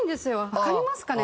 わかりますかね？